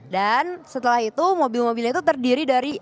dan setelah itu mobil mobilnya itu terdiri dari